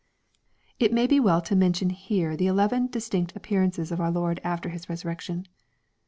LUKE, CHAP. XXIV. 609 It may be weU to mention here the elevei^ distinct appearances of our Lord after His resurrection.